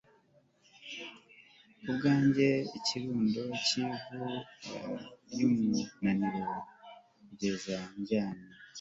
kubwanjye ikirundo cyivu ryumunaniro, kugeza ndyamye